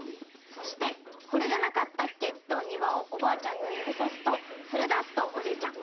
そして「これじゃなかったっけ？」と庭をおばあちゃんが指さすと「それだ」とおじいちゃん。